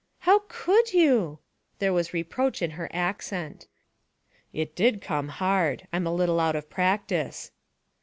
'How could you?' There was reproach in her accent. 'It did come hard; I'm a little out of practice.'